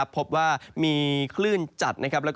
พบว่ามีคลื่นจัดนะครับ